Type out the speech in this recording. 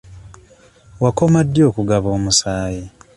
Wakoma ddi okugaba omusaayi?